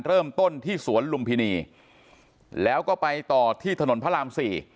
เริ่มต้นที่สวนลุมพินีแล้วก็ไปต่อที่ถนนพระราม๔